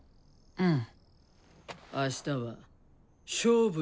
うん！